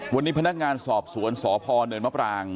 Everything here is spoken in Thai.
วันนี้พนักงานสอบสวนสพเนินมะปราง